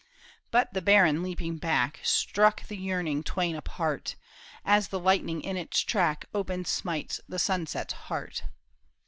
But the baron leaping back. Struck that yearning twain apart, As the lightning in its track Open smites the sunset's heart.